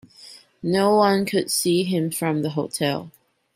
No one could see him from the hotel.